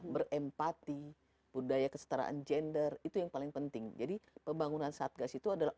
berempati budaya kesetaraan gender itu yang paling penting jadi pembangunan satgas itu adalah